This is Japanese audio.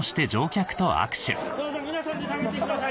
どうぞ皆さんで食べてください